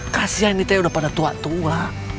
kasihan ini udah pada tua tua